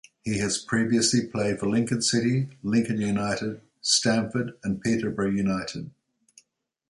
He has previously played for Lincoln City, Lincoln United, Stamford and Peterborough United.